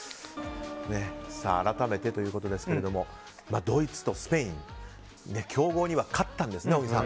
改めてということですがドイツとスペイン、強豪には勝ったんですね、小木さん。